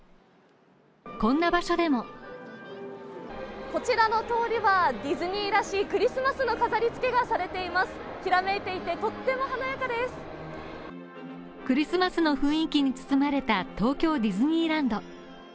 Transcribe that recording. こんな場所でもこちらの通りはディズニーらしいクリスマスの飾り付けがされていますきらめいていてとっても華やかですクリスマスの雰囲気に包まれた東京ディズニーランド。